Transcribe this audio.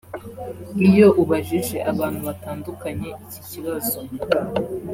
Iyo ubajije abantu batandukanye iki kibazo